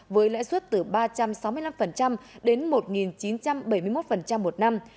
với lãi suất từ ba trăm sáu mươi năm đến một chín trăm bảy mươi một một năm